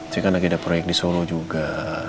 saya kan lagi ada proyek di solo juga